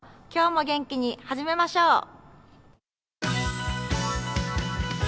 今日も元気に始めましょう。